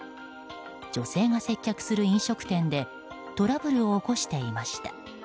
女性が接客する飲食店でトラブルを起こしていました。